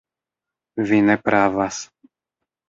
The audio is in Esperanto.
Vi ne pravas.